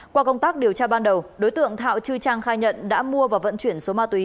qua công tác điều tra ban đầu đối tượng thạo chư trang khai nhận đã mua và vận chuyển số ma túy